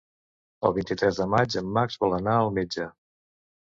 El vint-i-tres de maig en Max vol anar al metge.